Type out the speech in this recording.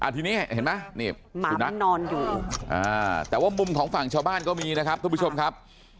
ทีนี้เห็นไหมนี่หมานั่งนอนอยู่แต่ว่ามุมของฝั่งชาวบ้านก็มีนะครับทุกผู้ชมครับ